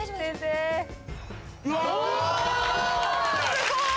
すごい！